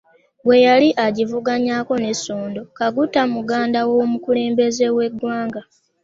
Bwe yali agivuganyaako ne Sodo Kaguta muganda w'omukulembeze w'eggwanga